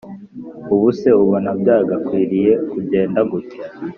ubuse ubona byagakwiriye kujyenda gutya